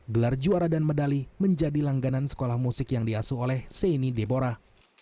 gelar juara dan medali menjadi langganan sekolah musik yang diasuh oleh saini deborah